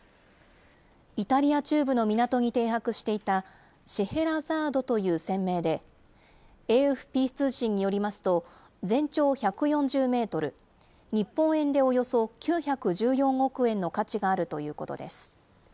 イタリア中部の港に停泊していた、シェヘラザードという船名で、ＡＦＰ通信によりますと、全長１４０メートル、日本円でおよそ９１４億円の価値があるということです。